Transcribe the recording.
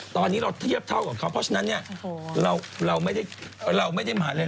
ตอนนี้เราเทียบเท่ากับเขาเพราะฉะนั้นเนี่ยเราไม่ได้มาเล่น